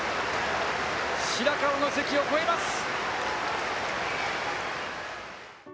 白河の関を越えます。